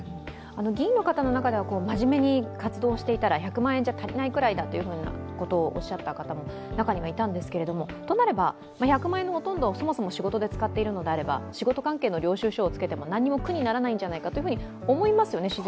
議員の方の中では真面目に活動していたら、１００万円じゃ足りないぐらいだとおっしゃった方も中にはいたんですけどとなれば１００万円のほとんどをそもそも使っているのであれば仕事関係の領収書をつけてもなんにも苦にならないんじゃないかと思いますよね。